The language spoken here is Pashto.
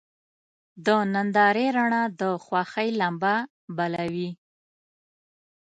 د نندارې رڼا د خوښۍ لمبه بله وي.